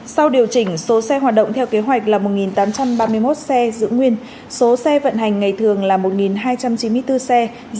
sau điều chỉnh số xe hoạt động theo kế hoạch là một tám trăm ba mươi một xe dưỡng nguyên số xe vận hành ngày thường là một hai trăm chín mươi bốn xe giảm hai trăm ba mươi tám xe